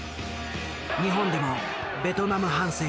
日本でもベトナム反戦